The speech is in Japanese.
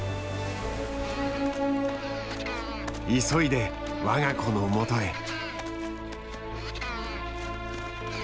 急いで我が子のもとへ。